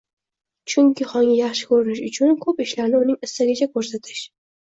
Chunki xonga yaxshi ko’rinish uchun ko’p ishlarni uning istagicha ko’rsatish